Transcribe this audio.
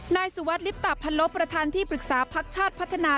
นายสุวัสดิลิปตะพันลบประธานที่ปรึกษาพักชาติพัฒนา